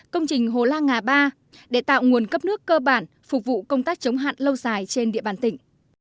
công trình hồ la ngà ba để tạo nguồn cấp nước cơ bản phục vụ công tác chống hạn lâu dài trên địa bàn tỉnh